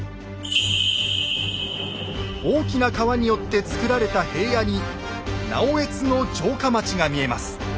大きな川によってつくられた平野に直江津の城下町が見えます。